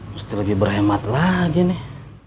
mesti lebih berhemat lagi nih